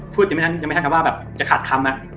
พูดยังไม่ได้ว่าจะหัดคำ